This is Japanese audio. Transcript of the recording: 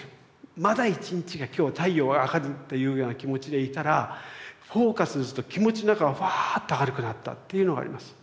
まだ一日が今日太陽上がるというような気持ちでいたらフォーカスすると気持ちの中がフワーッと明るくなったっていうのがあります。